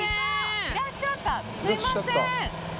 すいません。